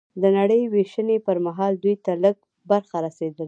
د نړۍ وېشنې پر مهال دوی ته لږ برخه رسېدلې